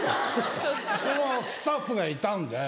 スタッフがいたんで。